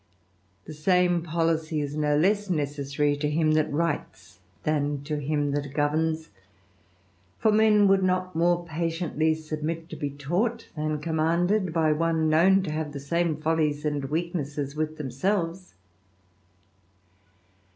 The same policy is no less necessary that writes, than to him that governs; for men not more patiently submit to be taught, than com 1, by one known to have the same follies and weak svith themselves.